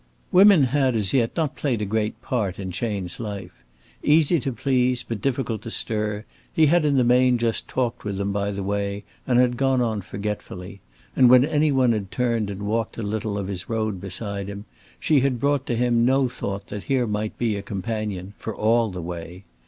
Women had, as yet, not played a great part in Chayne's life. Easy to please, but difficult to stir, he had in the main just talked with them by the way and gone on forgetfully: and when any one had turned and walked a little of his road beside him, she had brought to him no thought that here might be a companion for all the way.